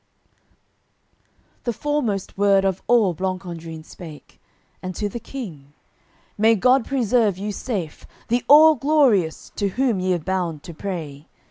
IX The foremost word of all Blancandrin spake, And to the King: "May God preserve you safe, The All Glorious, to Whom ye're bound to pray!